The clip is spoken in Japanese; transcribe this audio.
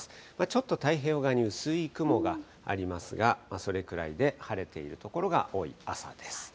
ちょっと太平洋側に薄い雲がありますが、それくらいで、晴れている所が多い朝です。